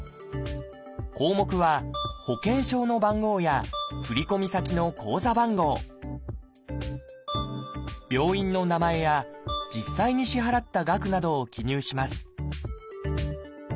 項目は保険証の番号や振込先の口座番号病院の名前や実際に支払った額などを記入します